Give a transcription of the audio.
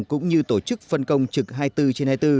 cũng như tổ chức phân công trực hai mươi bốn trên hai mươi bốn